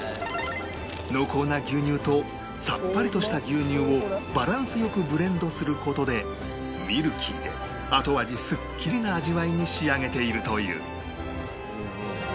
濃厚な牛乳とさっぱりとした牛乳をバランス良くブレンドする事でミルキーで後味すっきりな味わいに仕上げているという